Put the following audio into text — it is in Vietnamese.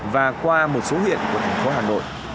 và qua một số huyện của thành phố hà nội